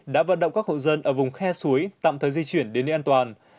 đã vận động các hộ dân ở vùng khe suối tạm thời di chuyển đến nơi an toàn